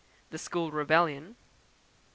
The School rebellion; 2.